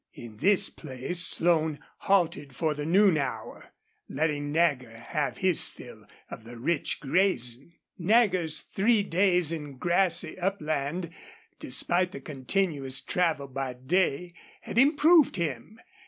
In this place Slone halted for the noon hour, letting Nagger have his fill of the rich grazing. Nagger's three days in grassy upland, despite the continuous travel by day, had improved him.